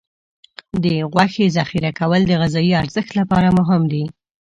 د غوښې ذخیره کول د غذايي ارزښت لپاره مهم دي.